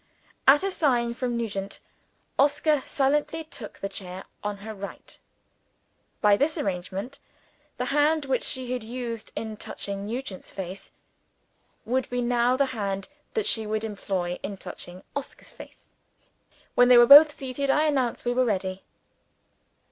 At a sign from Nugent, Oscar silently took the chair on her right. By this arrangement, the hand which she had used in touching Nugent's face, would be now the hand that she would employ in touching Oscar's face. When they were both seated, I announced that we were ready.